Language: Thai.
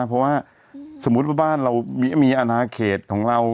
เพราะว่าสมมุติว่าบ้านเรามีอนาเขตของเรา